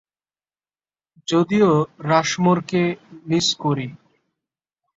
যদিও রাশমোরকে মিস করি।